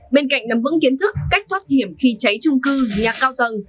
bên cạnh nắm vững kiến thức cách thoát hiểm khi cháy trung cư nhà cao tầng